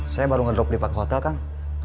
saya baru ngedrop di pak hotel kang